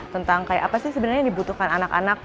tentang kayak apa sih sebenarnya yang dibutuhkan anak anak